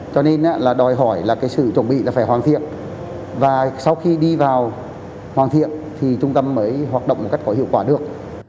cho nên là đòi hỏi là cái sự chuẩn bị là phải hoàn thiện và sau khi đi vào hoàn thiện thì trung tâm mới hoạt động một cách có hiệu quả được